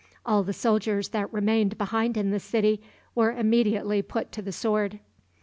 All the soldiers that remained behind in the city were immediately put to the sword.